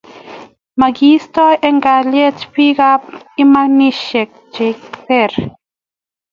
Meng'isot eng' kalyet biikab imanisiek che ter